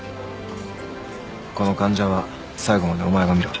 この患者は最後までお前が診ろ。